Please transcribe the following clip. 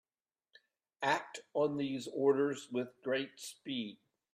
Act on these orders with great speed.